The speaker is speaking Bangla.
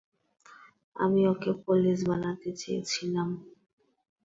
আমি ওকে পুলিশ বানাতে চেয়েছিলাম।